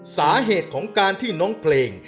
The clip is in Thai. สาเหตุของการที่น้องเพลง